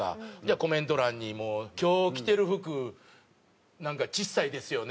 コメント欄にもう「今日着てる服なんかちっさいですよね」